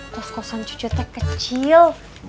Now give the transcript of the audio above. kos kosan cucu tek kecil